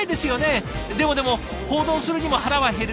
でもでも報道するにも腹は減る。